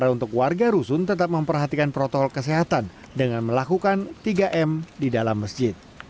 untuk warga rusun tetap memperhatikan protokol kesehatan dengan melakukan tiga m di dalam masjid